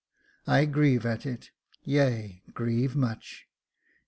'' I grieve at it, yea, grieve much.